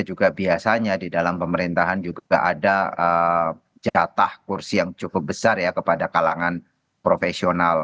juga biasanya di dalam pemerintahan juga ada jatah kursi yang cukup besar ya kepada kalangan profesional